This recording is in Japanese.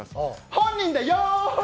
本人だよー！